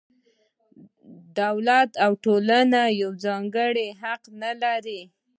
دولت او ټولنه یو ځانګړی حق نه لري.